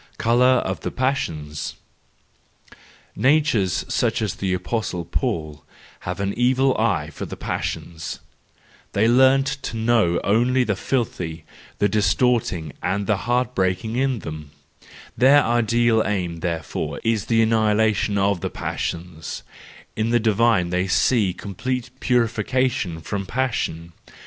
Colour of the Passions .—Natures such as the apostle Paul, have an evil eye for the passions; they learn to know only the filthy, the distorting, and the heart breaking in them,—their ideal aim, therefore, is the annihilation of the passions ; in the divine they see complete purification from passion.